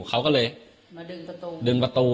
เขาก็เลยดึงประตู